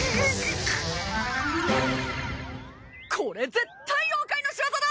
これ絶対妖怪のしわざだ！